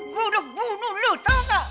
gue udah bunuh lo tahu nggak